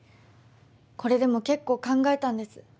これでもけっこう考えたんです。